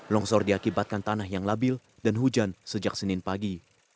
longsor diakibatkan tanah yang labil dan hujan sejak senin pagi